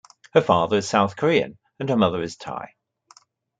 Her father is South Korean and her mother is Thai.